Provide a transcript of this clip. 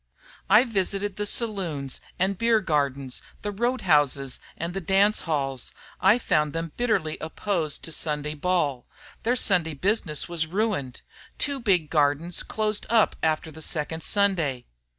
"I visited the saloons and beer gardens, the road houses and the dance halls. I found them bitterly opposed to Sunday ball. Their Sunday business was ruined. Two big gardens closed up after the second Sunday.